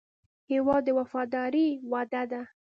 هېواد د وفادارۍ وعده ده.